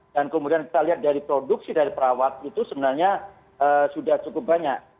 dan kemudian kita lihat dari produksi dari perawat itu sebenarnya sudah cukup banyak